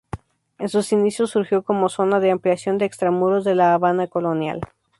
En sus inicios surgió como zona de ampliación de extramuros de la Habana colonial.